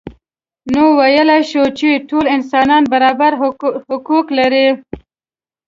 نو ویلای شو چې ټول انسانان برابر حقوق لري.